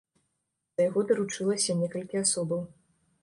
За яго даручылася некалькі асобаў.